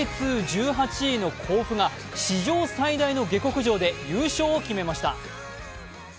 Ｊ２・１８位の甲府が史上最大の下克上で優勝を決めました。